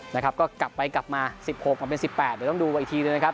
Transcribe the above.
มาสิบหกเป็นสิบแปดเดี๋ยวต้องดูอีกทีด้วยนะครับ